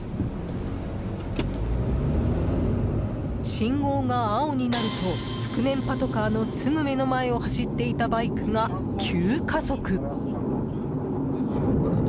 信号が青になると覆面パトカーのすぐ目の前を走っていたバイクが急加速！